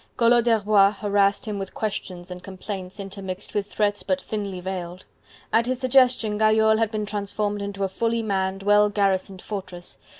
Collot d'Herbois harassed him with questions and complaints intermixed with threats but thinly veiled. At his suggestion Gayole had been transformed into a fully manned, well garrisoned fortress.